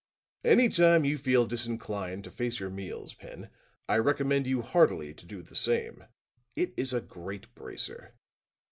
"Any time you feel disinclined to face your meals, Pen, I recommend you heartily to do the same. It is a greater bracer.